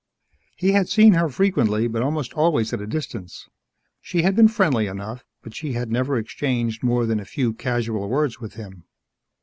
He had seen her frequently but almost always at a distance. She had been friendly enough, but she had never exchanged more than a few casual words with him.